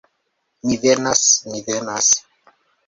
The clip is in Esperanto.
Mi venas, mi venas!